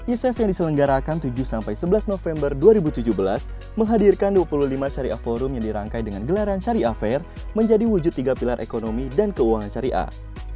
isef yang diselenggarakan tujuh sampai sebelas november dua ribu tujuh belas menghadirkan dua puluh lima syariah forum yang dirangkai dengan gelaran syariah fair menjadi wujud tiga pilar ekonomi dan keuangan syariah